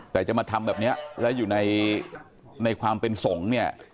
แต่จะมาทำแบบนี้แล้วอยู่ในความเป็นสงฆ์เนี่ย